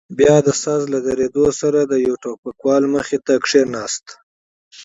بيا د ساز له درېدو سره د يوه ټوپکوال مخې ته کښېناست.